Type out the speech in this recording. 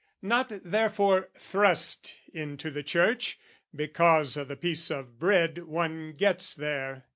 Not therefore thrust into the Church, because O' the piece of bread one gets there.